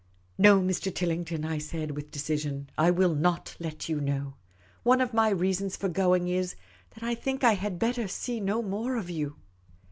" No, Mr. Tillington," I said, with decision. *' I will not let you know. One of my reasons for going is, that I think I had better see no more of you."